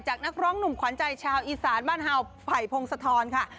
นักร้องหนุ่มขวัญใจชาวอีสานบ้านเห่าไผ่พงศธรค่ะ